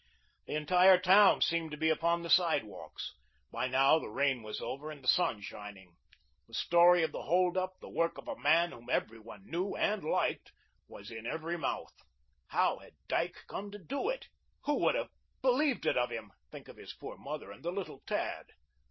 The entire town seemed to be upon the sidewalks. By now the rain was over and the sun shining. The story of the hold up the work of a man whom every one knew and liked was in every mouth. How had Dyke come to do it? Who would have believed it of him? Think of his poor mother and the little tad.